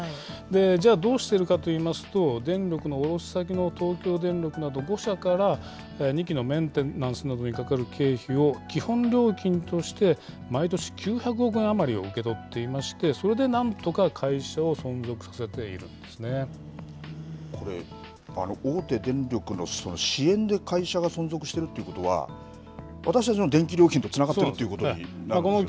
じゃあ、どうしてるかといいますと、電力の卸先の東京電力など、５社から、２基のメンテナンスなどにかかる経費を基本料金として毎年９００億円余りを受け取っていまして、それでなんとか会社を存続させてこれ、大手電力のその支援で会社が存続してるってことは、私たちの電気料金とつながってるということになるんですよね。